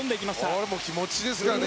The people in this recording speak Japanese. これ、気持ちですかね。